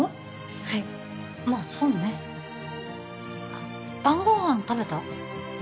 はいまっそうねあっ晩ご飯食べた？